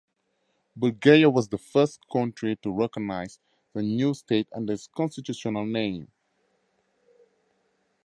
Bulgaria was the first country to recognize the new state under its constitutional name.